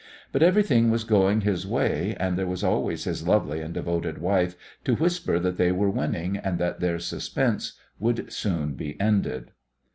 But everything was going his way, and there was always his lovely and devoted wife to whisper that they were winning and that their suspense would soon be ended.